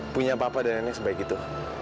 punya papa dan nenek sebaik itu